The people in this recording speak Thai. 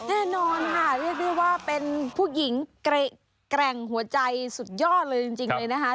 แน่นอนค่ะเรียกได้ว่าเป็นผู้หญิงแกร่งหัวใจสุดยอดเลยจริงเลยนะคะ